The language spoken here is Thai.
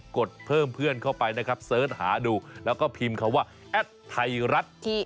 กดเพิ่มเพื่อนเข้าไปหาดูแล้วก็พิมีไทรัส